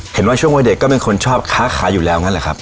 เห็นว่าช่วงวัยเด็กก็เป็นคนชอบค้าขายอยู่แล้วงั้นแหละครับ